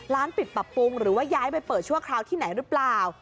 ปิดปรับปรุงหรือว่าย้ายไปเปิดชั่วคราวที่ไหนหรือเปล่า